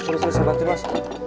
ya ya terus terus ya pasti mas